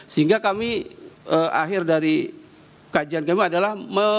sehingga kami akhir dari kajian kami adalah